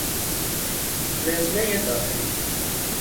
رزوهی داخلی